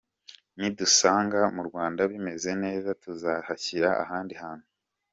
Nidusanga mu Rwanda bimeze neza, tuzagishyira ahandi hantu.